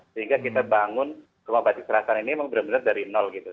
sehingga kita bangun rumah batik serasan ini memang benar benar dari nol gitu